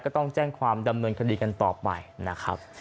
ก็ต้องแจ้งความดำเนินคดีกันต่อไปนะครับ